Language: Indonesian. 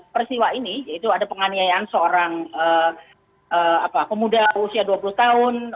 persiwa ini yaitu ada penganiayaan seorang pemuda usia dua puluh tahun